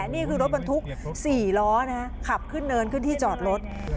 นี่คือรถบรรทุก๔ล้อขับขึ้นเนินขึ้นที่จอดรถ